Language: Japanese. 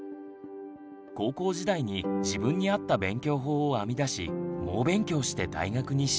高校時代に自分に合った勉強法を編み出し猛勉強して大学に進学。